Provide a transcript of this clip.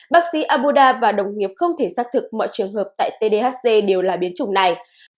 bác sĩ abuda và đồng nghiệp không thể xác thực mọi trường hợp tại tdhc đều là biến chủng này